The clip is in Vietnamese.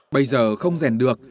bây giờ không gen được